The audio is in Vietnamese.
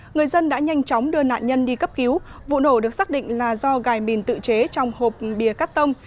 người dân đã nhanh chóng đưa nạn nhân đi cấp cứu vụ nổ được xác định là do gài mìn tự chế trong hộp bìa cắt tông